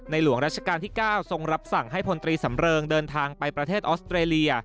หลวงราชการที่๙ทรงรับสั่งให้พลตรีสำเริงเดินทางไปประเทศออสเตรเลีย